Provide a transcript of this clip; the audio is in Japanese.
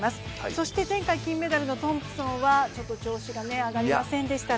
そして前回金メダルのトンプソンは調子が上がりませんでした。